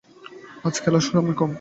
আজ খেলার সময় কম।